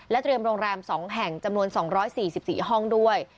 เตรียมโรงแรม๒แห่งจำนวน๒๔๔ห้องด้วย